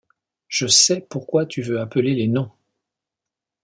Je sais pourquoi tu veux appeler les noms !